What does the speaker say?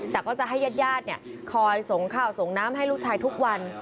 แต่ก็จะให้ญาติคอยส่งข้าวส่งน้ำให้ลูกชายทุกวัน